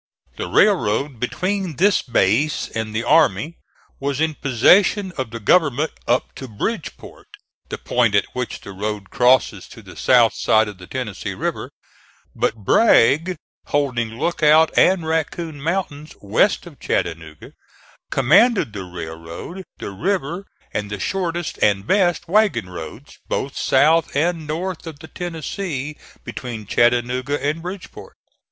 The railroad between this base and the army was in possession of the government up to Bridgeport, the point at which the road crosses to the south side of the Tennessee River; but Bragg, holding Lookout and Raccoon mountains west of Chattanooga, commanded the railroad, the river and the shortest and best wagon roads, both south and north of the Tennessee, between Chattanooga and Bridgeport.